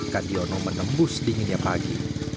kadiono menembus dinginnya pagi